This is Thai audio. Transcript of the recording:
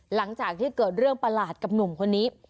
หลังจากที่เกิดเรื่องประหลาดกับหนุ่มคนนี้